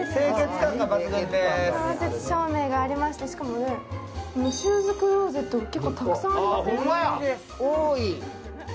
間接照明がありまして、シューズクローゼット、たくさんありません？